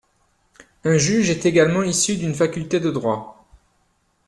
Un juge est également issu d'une faculté de droit.